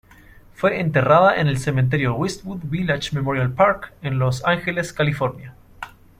Fue enterrada en el cementerio Westwood Village Memorial Park, en Los Ángeles, California.